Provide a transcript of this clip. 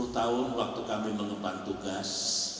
sepuluh tahun waktu kami mengemban tugas